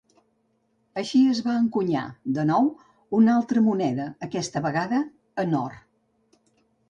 Així es va encunyar, de nou, una altra moneda, aquesta vegada en or.